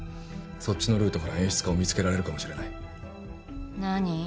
そっちのルートから演出家を見つけられるかもしれない何？